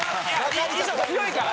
衣装が強いから！